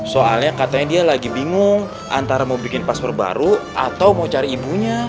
soalnya katanya dia lagi bingung antara mau bikin paspor baru atau mau cari ibunya